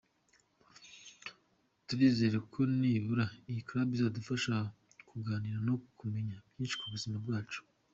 Turizera ko nibura iyi Club izadufasha kuganira no kumenya byinshi ku buzima bwacu.